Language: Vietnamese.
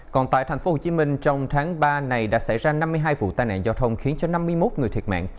còn tại tp hcm trong tháng ba này đã xảy ra năm mươi hai vụ tai nạn giao thông khiến cho năm mươi một người thiệt mạng